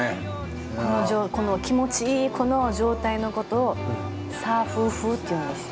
この気持ちいいこの状態のことを「サーフーフー」っていうんですよ。